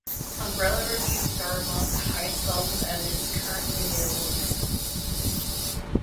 Umbrella reviews are among the highest levels of evidence currently available in medicine.